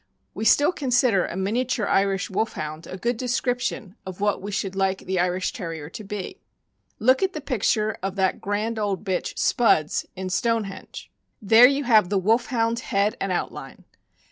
We still consider "a miniature Irish Wolfhound " a good description of what we should like the Irish Terrier to be. Look at the picture of that grand old bitch Spuds, in Stoneheng ; THE IRISH TERRIER. 415 there you have the Wolfhound head and outline.